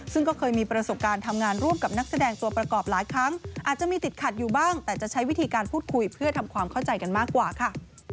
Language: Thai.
ซึ่งก็เคยมีประสบการณ์ทำงานร่วมกับนักแสดงตัวประกอบหลายครั้งอาจจะมีติดขัดอยู่บ้างแต่จะใช้วิธีการพูดคุยเพื่อทำความเข้าใจกันมากกว่าค่ะ